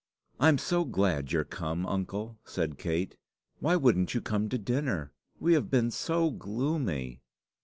"I'm so glad you're come, uncle!" said Kate. "Why wouldn't you come to dinner? We have been so gloomy!"